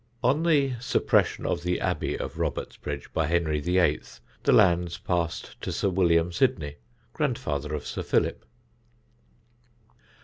On the suppression of the Abbey of Robertsbridge by Henry VIII. the lands passed to Sir William Sidney, grandfather of Sir Philip.